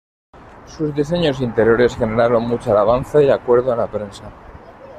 Sus diseños interiores generaron mucha alabanza y acuerdo en la prensa.